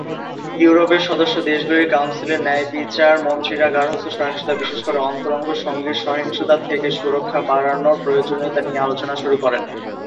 ইউরোপের সদস্য দেশগুলির কাউন্সিলের ন্যায়বিচার মন্ত্রীরা গার্হস্থ্য সহিংসতা, বিশেষত অন্তরঙ্গ সঙ্গীর সহিংসতা থেকে সুরক্ষা বাড়ানোর প্রয়োজনীয়তা নিয়ে আলোচনা শুরু করেন।